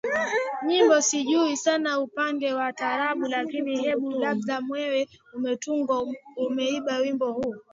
nyimbo Sijui sana upande wa taarabu lakini hebu labda wewe umetunga umeimba Wimbo huu